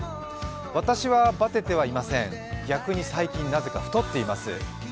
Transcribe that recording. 私はバテてはいません、逆に最近、なぜか太っています。